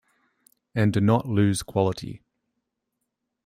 And do not lose quality.